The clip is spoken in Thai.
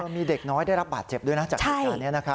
มีเด็กน้อยได้รับบาดเจ็บด้วยนะจากเหตุการณ์นี้